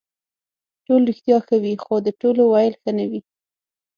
ټول رښتیا ښه وي خو د ټولو ویل ښه نه وي.